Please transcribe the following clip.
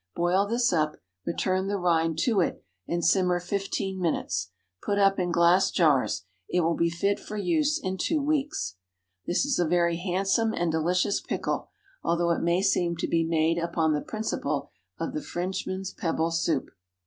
Boil this up, return the rind to it, and simmer fifteen minutes. Put up in glass jars. It will be fit for use in two weeks. This is a very handsome and delicious pickle, although it may seem to be made upon the principle of the Frenchman's pebble soup.